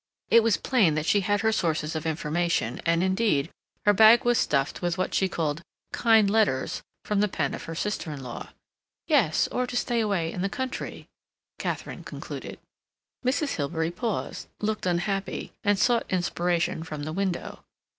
It was plain that she had her sources of information, and, indeed, her bag was stuffed with what she called "kind letters" from the pen of her sister in law. "Yes. Or to stay away in the country," Katharine concluded. Mrs. Hilbery paused, looked unhappy, and sought inspiration from the window.